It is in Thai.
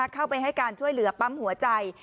เข้าไปให้การช่วยเหลือปั๊มหัวใจ